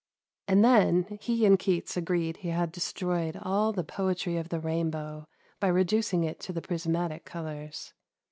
And then he and Keats agreed he had destroyed all the poetry of the rainbow by reducing it to the prismatic colours.